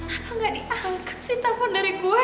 apa gak diangkat sih telfon dari gue